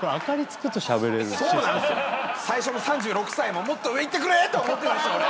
最初の３６歳ももっと上いってくれ！と思ってたし俺。